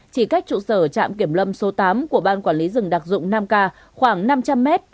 chỉ cách trụ sở trạm kiểm lâm số tám của ban quản lý rừng đặc dụng nam ca khoảng năm trăm linh mét